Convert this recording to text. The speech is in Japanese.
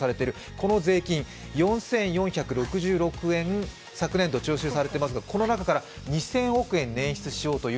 この税金４４６６億円、昨年度は徴収されていますがこの中から２０００億円捻出しようという